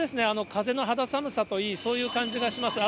風の肌寒さといい、そういう感じがします。